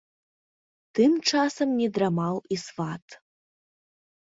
Тым часам не драмаў і сват.